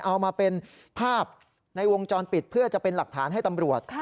เอามาเป็นภาพในวงจรปิดเพื่อจะเป็นหลักฐานให้ตำรวจ